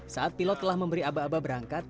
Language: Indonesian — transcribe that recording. saat pilot telah memberi aba aba berangkat